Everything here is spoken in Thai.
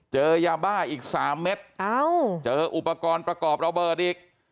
เจอยาบ้าอีก๓เม็ดเจออุปกรณ์ประกอบระเบิดอีก